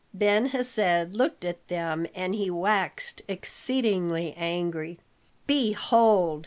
Ben Hesed looked at them and he waxed exceeding angry. "Behold!"